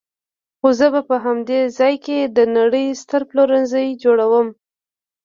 خو زه به په همدې ځای کې د نړۍ ستر پلورنځی جوړوم.